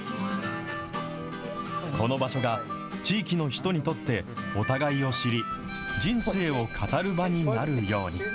この場所が、地域の人にとって、お互いを知り、人生を語る場になるように。